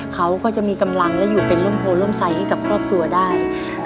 เขาก็จะมีกำลังและอยู่เป็นร่มโพร่มใสให้กับครอบครัวได้